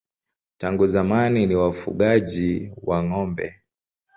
Tangu zamani ni wafugaji wa ng'ombe.